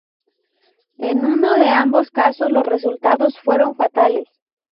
En uno de ambos casos los resultados fueron fatales.